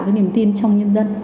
cái niềm tin trong nhân dân